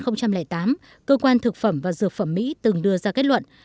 năm hai nghìn tám cơ quan thực phẩm và dược phẩm mỹ từng đưa ra kết luận